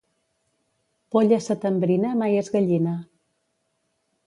Polla setembrina mai és gallina.